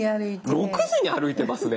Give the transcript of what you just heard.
６時に歩いてますね！